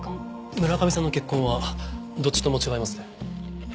村上さんの血痕はどっちとも違いますね。